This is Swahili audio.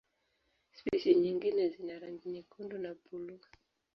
Spishi nyingine zina rangi nyekundu na buluu.